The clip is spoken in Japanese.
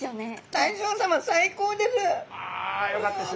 大将さま最高です！